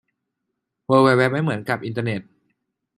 เวิล์ดไวด์เว็บไม่เหมือนกับอินเทอร์เน็ต